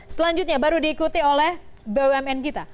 selanjutnya baru diikuti oleh bumn kita